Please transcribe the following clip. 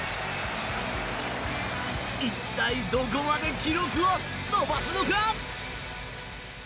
一体どこまで記録を伸ばすのか！